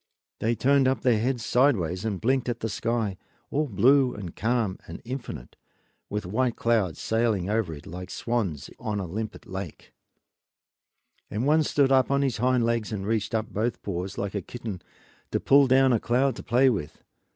They turned up their heads sidewise and blinked at the sky, all blue and calm and infinite, with white clouds sailing over it like swans on a limpid lake; and one stood up on his hind legs and reached up both paws, like a kitten, to pull down a cloud to play with.